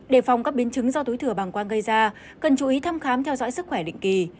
đề phòng các biến chứng do túi thừa bàng quang gây ra cần chú ý thăm khám theo dõi sức khỏe định kỳ